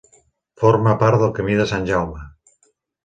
Forma part del Camí de Sant Jaume.